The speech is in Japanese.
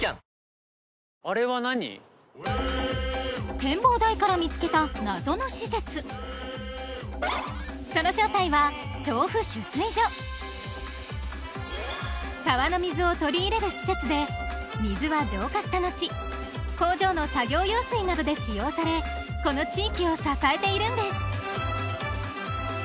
展望台から見つけた謎の施設その正体は水は浄化した後工場の作業用水などで使用されこの地域を支えているんです